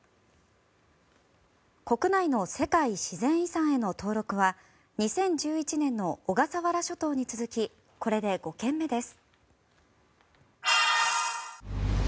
国内の世界自然遺産への登録は２０１１年の小笠原諸島に続きこれで５件目です。